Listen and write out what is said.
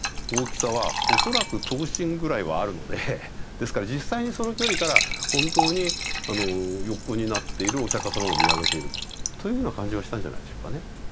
ですから実際にその距離から本当に横になっているお釈迦様を見上げているというような感じはしたんじゃないでしょうかね。